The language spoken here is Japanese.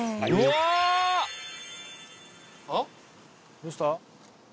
どうした？